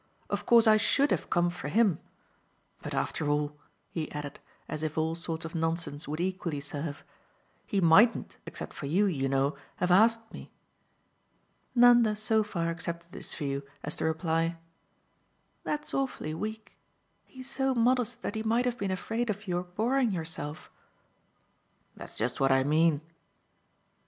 "Of course I SHOULD have come for him. But after all," he added, as if all sorts of nonsense would equally serve, "he mightn't, except for you, you know, have asked me." Nanda so far accepted this view as to reply: "That's awfully weak. He's so modest that he might have been afraid of your boring yourself." "That's just what I mean."